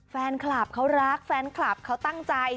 แฟนคลับเขารักแฟนคลับเขาตั้งใจ